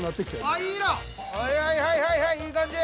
はいはいはいはいはいいい感じ。